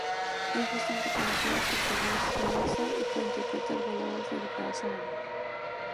Es bastante conocida por su voz sedosa y por interpretar baladas dedicadas al amor.